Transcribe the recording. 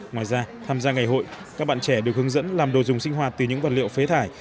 ngoài ra tham gia ngày hội các bạn trẻ được hướng dẫn làm đồ dùng sinh hoạt từ những vật liệu phế thải